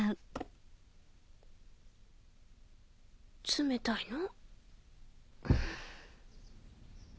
冷たいの。